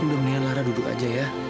udah menilai lara duduk aja ya